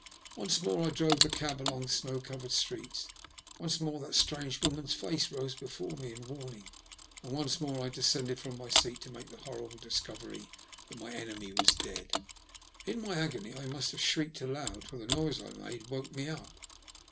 Once more I drove the cab along the snow covered streets ; once more that strange woman*s face rose before me in warning; and once more I descended from my seat to make the horrible dis covery that my enemy was dead. In my agony I must have shrieked aloud, for the noise I made woke me up.